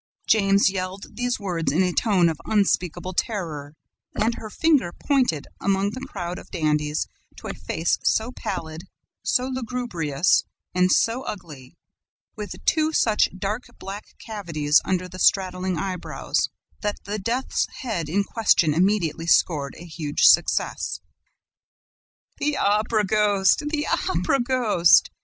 Jammes yelled these words in a tone of unspeakable terror; and her finger pointed, among the crowd of dandies, to a face so pallid, so lugubrious and so ugly, with two such deep black cavities under the straddling eyebrows, that the death's head in question immediately scored a huge success. "The Opera ghost! The Opera ghost!"